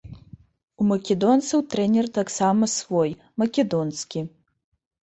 У македонцаў трэнер таксама свой, македонскі.